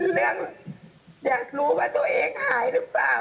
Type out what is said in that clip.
เรื่องยังรู้ว่าตัวเองหายหรือเปล่า